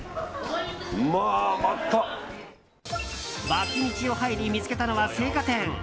脇道を入り見つけたのは青果店。